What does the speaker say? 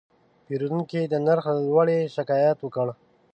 پیرودونکی د نرخ له لوړې شکایت وکړ.